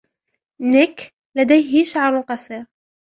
نيك لديه شعر قصير.